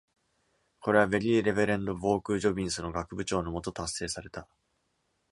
これは、Very Reverend Boak Jobbins の学部長の下、達成された。